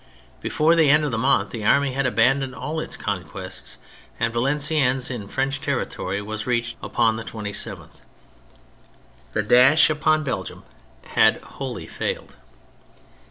Before the end of the month the army had abandoned all its conquests, and Valenciennes, in French territory, was reached upon the 27th. The dash upon Belgium had wholly failed.